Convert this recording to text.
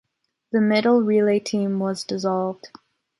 The middle relay team was dissolved.